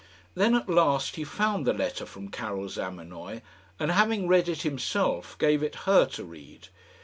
Then at last he found the letter from Karil Zamenoy, and having read it himself, gave it her to read.